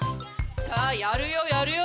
さあやるよやるよ